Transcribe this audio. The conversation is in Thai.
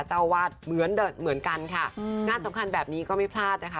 เจ้าวาดเหมือนเหมือนกันค่ะงานสำคัญแบบนี้ก็ไม่พลาดนะคะ